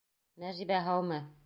Нәжибә, һаумы.